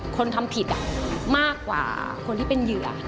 คนทำผิดมากกว่าคนที่เป็นเหยื่อ